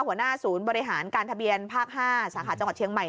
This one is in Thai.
หัวหน้าศูนย์บริหารการทะเบียนภาค๕สาขาจังหวัดเชียงใหม่